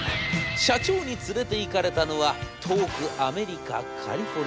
社長に連れていかれたのは遠くアメリカカリフォルニア。